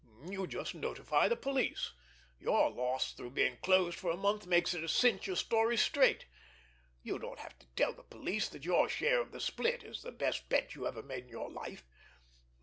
You just notify the police. Your loss through being closed for a month makes it a cinch your story's straight—you don't have to tell the police that your share of the split is the best bet you ever made in your life!